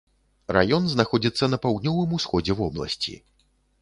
Раён знаходзіцца на паўднёвым усходзе вобласці.